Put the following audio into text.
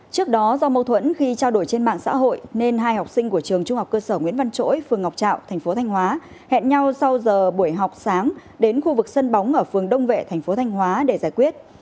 trước đó do mâu thuẫn khi trao đổi trên mạng xã hội nên hai học sinh của trường trung học cơ sở nguyễn văn chỗi phường ngọc trạo thành phố thanh hóa hẹn nhau sau giờ buổi học sáng đến khu vực sân bóng ở phường đông vệ thành phố thanh hóa để giải quyết